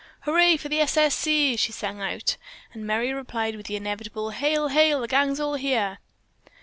"Hurray for the 'S. S. C.'!" she sang out, and Merry replied with the inevitable, "Hail! Hail! The gang's all here!"